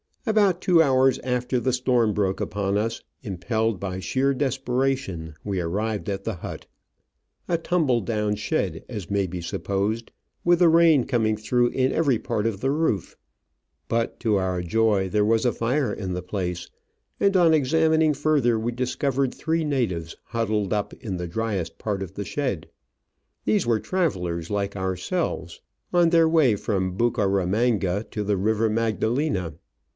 About two hours after the storm broke upon us, impelled by sheer desperation, we arrived at the hut — a tumble down shed, as may be supposed, with the rain coming through in every part of the roof; but, to our joy, Digitized by VjOOQIC 74 Travels and Adventures there was a fire in the place, and, on examining further, we discovered three natives huddled up in the driest part of the shed. These were travellers like ourselves, on their way from Bucaramanga to the River Magdalena.